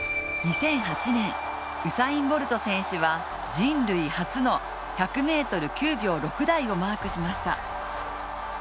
２００８年、ウサイン・ボルト選手は人類初の１００ｍ９秒６台をマークしました。